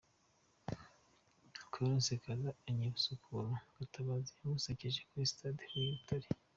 Colonel Nsekalije anyibutsa ukuntu Gatabazi yamusebeje kuri stade Huye i Butare.